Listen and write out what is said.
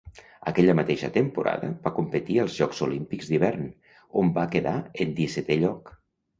Aquella mateixa temporada va competir als Jocs Olímpics d'Hivern, on va quedar en dissetè lloc.